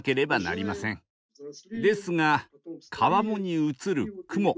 ですが川面に映る雲